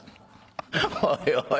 おいおい